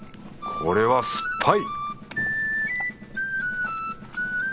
これは酸っぱい！